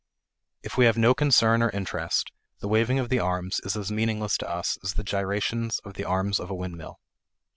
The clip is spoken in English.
If we have no concern or interest, the waving of the arms is as meaningless to us as the gyrations of the arms of a windmill.